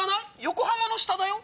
横浜の下だよ？